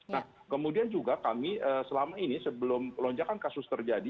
nah kemudian juga kami selama ini sebelum lonjakan kasus terjadi